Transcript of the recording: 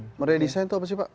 meredesain itu apa sih pak